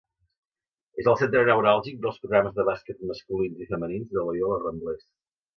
És el centre neuràlgic dels programes de bàsquet masculins i femenins de Loyola Ramblers.